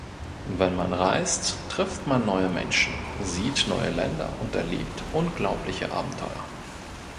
Wenn man reist, trifft man neue Menschen, sieht neue Länder und erlebt unglaubliche Abenteuer.